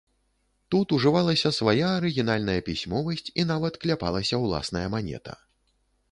Тут ужывалася свая арыгінальная пісьмовасць і нават кляпалася ўласная манета.